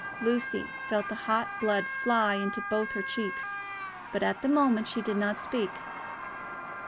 Lucy felt the hot blood fly into both her cheeks, but at the moment she did not speak.